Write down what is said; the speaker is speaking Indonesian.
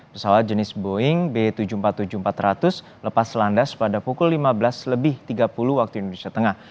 pesawat jenis boeing b tujuh ribu empat puluh tujuh empat ratus lepas landas pada pukul lima belas lebih tiga puluh waktu indonesia tengah